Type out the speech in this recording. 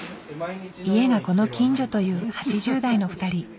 家がこの近所という８０代の２人。